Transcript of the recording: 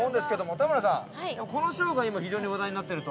田村さん、このショーが今非常に話題になってると。